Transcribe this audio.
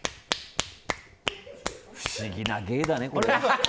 不思議な芸だね。